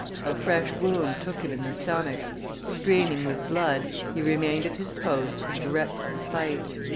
A fresh wound took him in the stomach; streaming with blood, he remained at his post and directed the fight.